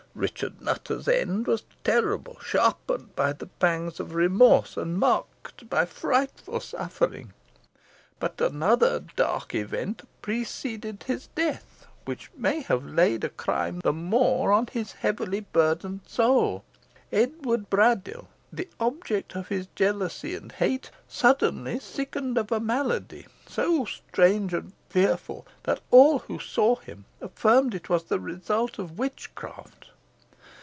Richard Nutter's end was terrible, sharpened by the pangs of remorse, and marked by frightful suffering. But another dark event preceded his death, which may have laid a crime the more on his already heavily burdened soul. Edward Braddyll, the object of his jealousy and hate, suddenly sickened of a malady so strange and fearful, that all who saw him affirmed it the result of witchcraft.